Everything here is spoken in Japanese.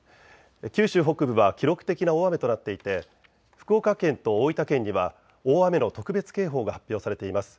九州北部は記録的な大雨となっていて福岡県と大分県には大雨の特別警報が発表されています。